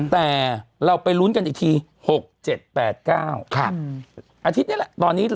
แต่เราไปลุ้นกันอีกที๖๗๘๙อาทิตย์นี่แหละตอนนี้